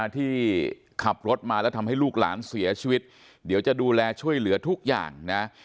ที่ขับรถมาแล้วทำให้ลูกหลานเสียชีวิตเดี๋ยวจะดูแลช่วยเหลือทุกอย่างนะ